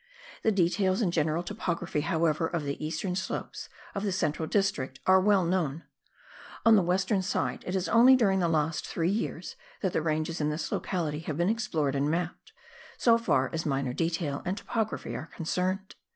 The details and general topography, however, of the eastern slopes of the central district are well known. On the western side it is only during the last three years that the ranges in this locality have been explored and mapped, so far as minor detail and topography are concerned.